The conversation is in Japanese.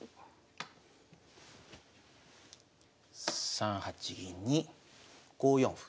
３八銀に５四歩。